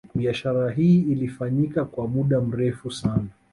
Biashara hii ilifanyika kwa muda mrefu sana